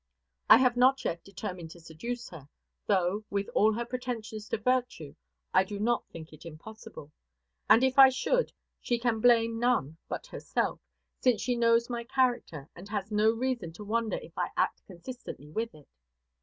I have not yet determined to seduce her, though, with all her pretensions to virtue, I do not think it impossible. And if I should, she can blame none but herself, since she knows my character, and has no reason to wonder if I act consistently with it.